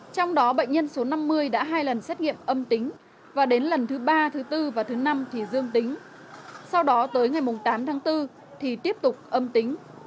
trong đó bệnh nhân số năm mươi đã hai lần xét nghiệm âm tính và đến lần thứ ba thứ bốn và thứ năm thì dương tính sau đó tới ngày tám tháng bốn thì tiếp tục âm tính